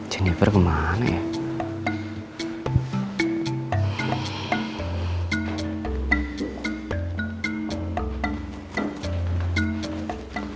jennifer kemana ya